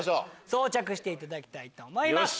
装着していただきたいと思います。